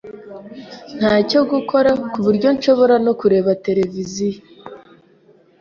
Ntacyo gukora, kuburyo nshobora no kureba televiziyo.